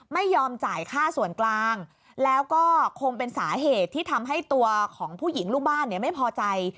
ไม่ยอมจ่ายค่าส่วนกลางแล้วก็คงเป็นสาเหตุที่ทำให้ตัวของผู้หญิงลูกบ้านเนี่ยไม่พอใจ